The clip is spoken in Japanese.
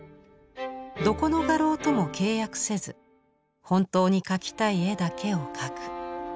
どこの画廊とも契約せず本当に描きたい絵だけを描く。